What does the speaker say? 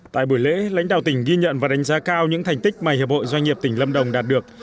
tại buổi lễ lãnh đạo tỉnh ghi nhận và đánh giá cao những thành tích mà hiệp hội doanh nghiệp tỉnh lâm đồng đạt được